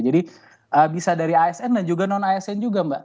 jadi bisa dari asn dan juga non asn juga mbak